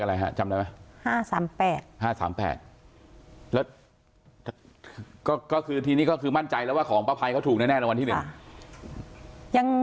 แล้วก็คือทีนี้ก็คือมั่นใจแล้วว่าของป้าพัยก็ถูกแน่รางวัลที่หนึ่ง